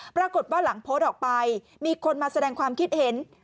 ปรากฏว่าหลังโพสต์ออกไปมีคนมาแสดงความคิดเห็น